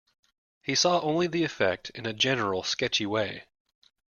He saw only the effect in a general, sketchy way.